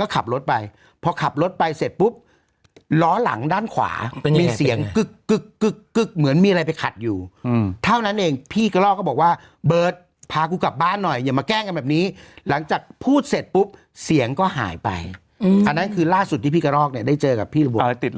ก็ขับรถไปพอขับรถไปเสร็จปุ๊บล้อหลังด้านขวาเป็นไงเป็นไงมีเสียงกึกกึกกึกกึกเหมือนมีอะไรไปขัดอยู่อืมเท่านั้นเองพี่กะลอกก็บอกว่าเบิร์ดพากูกลับบ้านหน่อยอย่ามาแกล้งกันแบบนี้หลังจากพูดเสร็จปุ๊บเสียงก็หายไปอืมอันนั้นคือล่าสุดที่พี่กะลอกเนี่ยได้เจอกับพี่ระบบอะไรติ